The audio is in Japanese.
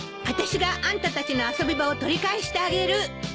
私があんたたちの遊び場を取り返してあげる。